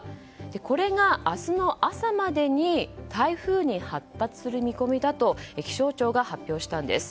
これが明日の朝までに台風に発達する見込みだと気象庁が発表したんです。